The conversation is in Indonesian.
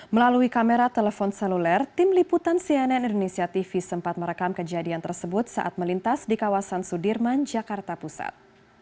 melalui kamera telepon seluler tim liputan cnn indonesia tv sempat merekam kejadian tersebut saat melintas di kawasan sudirman jakarta pusat